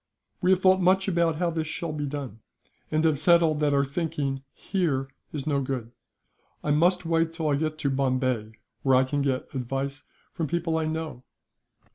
"We have thought much how this shall be done, and have settled that our thinking, here, is no good. I must wait till I get to Bombay, where I can get advice from people I know."